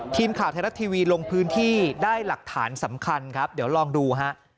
ทีมข่าวไทยรัฐทีวีลงพื้นที่ได้หลักฐานสำคัญครับเดี๋ยวลองดูฮะ